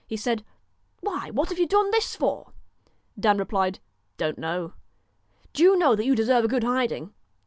He said :' Why, what have you done this for ?' Dan replied :' Don't know.' * Do you know that you deserve a good hiding.'